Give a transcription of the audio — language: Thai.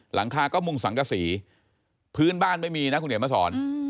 หลังคาก็มุ่งสังกษีพื้นบ้านไม่มีนะคุณเดี๋ยวมาสอน